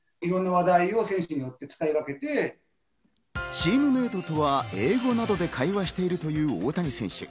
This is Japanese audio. チームメートとは英語などで会話しているという大谷選手。